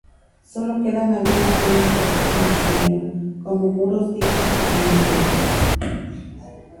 Solo quedan algunas ruinas del sitio misionero, como muros, diques y cementerios.